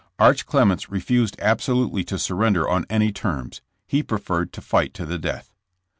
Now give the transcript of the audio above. Arch Clements refused absolutely to surrender on any terms; he preferred to fight to the death.